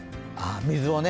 水をね